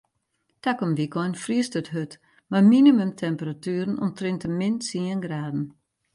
Takom wykein friest it hurd mei minimumtemperatueren omtrint de min tsien graden.